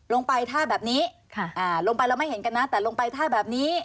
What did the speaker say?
ลงไปท่าแบบนี้ลงไปแล้วไม่เห็นกันนะแต่ลงไปท่าแบบนี้